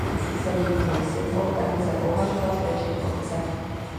Za jediný symbol tak lze považovat pečeť obce.